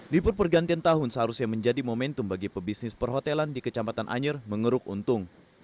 libur pergantian tahun seharusnya menjadi momentum bagi pebisnis perhotelan di kecamatan anyer mengeruk untung